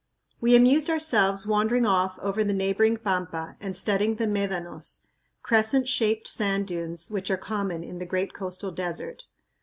We amused ourselves wandering off over the neighboring pampa and studying the médanos, crescent shaped sand dunes which are common in the great coastal desert.